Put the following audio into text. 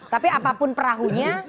tapi apapun perahunya